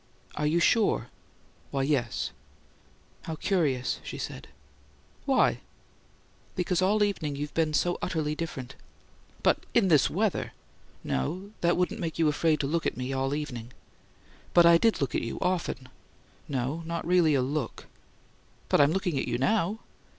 "Are you sure?" "Why, yes." "How curious!" she said. "Why?" "Because all evening you've been so utterly different." "But in this weather " "No. That wouldn't make you afraid to look at me all evening!" "But I did look at you. Often." "No. Not really a LOOK." "But I'm looking at you now."